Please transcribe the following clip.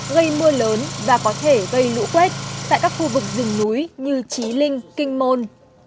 gây mưa lớn và có thể gây lũ quét tại các khu vực rừng núi như trí linh kinh môn